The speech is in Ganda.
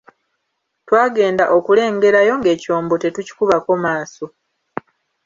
Twagenda okulengerayo ng'ekyombo tetukikubako maaso.